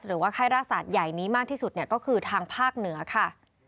หรือว่าไข้ราศาสตร์ใหญ่นี้มากที่สุดก็คือทางภาคเหนือค่ะ